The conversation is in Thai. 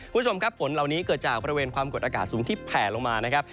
คุณผู้ชมครับฝนเหล่านี้เกิดจากบริเวณความกดอากาศสูงที่แผ่ลงมานะครับ